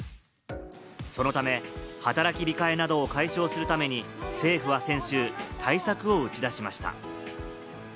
そのため働き控えなどを解消するために、政府は先週、対策を打ち出しました。